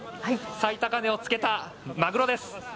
最高値をつけたマグロです。